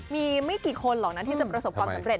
มีไม่กี่คนหรอกนะที่จะประสบความสำเร็